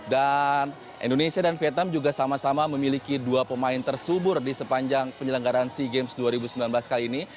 dan indonesia dan vietnam juga sama sama memiliki dua pemain tersubur di sepanjang penyelenggaran sea games dua ribu sembilan belas kali ini